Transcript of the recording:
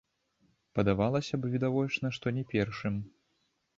Падавалася б, відавочна, што не першым.